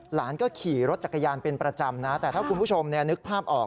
หลานก็ขี่รถจักรยานเป็นประจำนะแต่ถ้าคุณผู้ชมนึกภาพออก